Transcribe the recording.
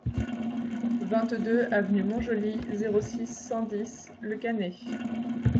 vingt-deux avenue Mont-Joli, zéro six, cent dix Le Cannet